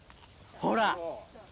ほら！